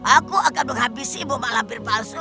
aku akan menghabisi ibu mak lampir palsu